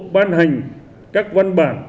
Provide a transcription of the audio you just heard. ban hành các văn bản